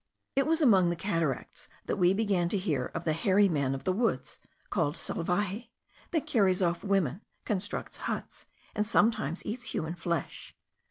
It was among the cataracts that we began to hear of the hairy man of the woods, called salvaje, that carries off women, constructs huts, and sometimes eats human flesh.